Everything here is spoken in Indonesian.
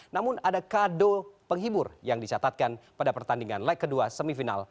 namun ada kado penghibur yang dicatatkan pada pertandingan leg kedua semifinal